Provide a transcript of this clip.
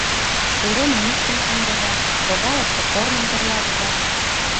Уремым ӱштын шындыза, прогалыште корным тӧрлатыза!